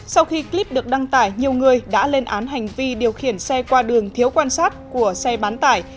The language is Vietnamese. sau khi clip được đăng tải nhiều người đã lên án hành vi điều khiển xe qua đường thiếu quan sát của xe bán tải